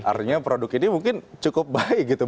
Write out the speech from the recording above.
artinya produk ini mungkin cukup baik gitu